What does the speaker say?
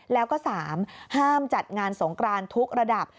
แล้วก็๓ห้ามจัดงานสงกรานทุกระดับ